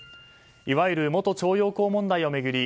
いわゆる元徴用工問題を巡り